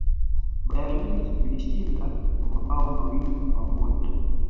bayern munich ilishinda kwa mabao mawili kwa moja